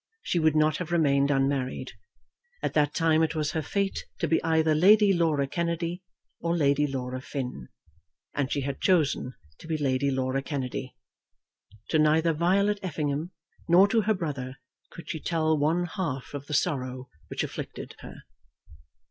She would not have remained unmarried. At that time it was her fate to be either Lady Laura Kennedy or Lady Laura Finn. And she had chosen to be Lady Laura Kennedy. To neither Violet Effingham nor to her brother could she tell one half of the sorrow which afflicted her.